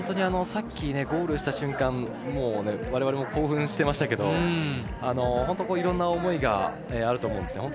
さっきゴールした瞬間我々も興奮してましたけど、本当いろいろな思いがあると思うんです。